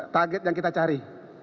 target yang kita cari